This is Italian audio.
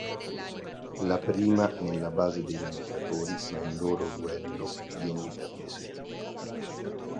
La prima nella base dei Vendicatori, ma il loro duello viene interrotto.